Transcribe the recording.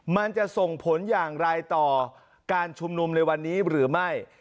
มันจะส่งผลอย่างไรต่อการชุมนุมในวันนี้หรือไม่